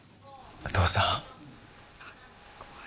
お父さん。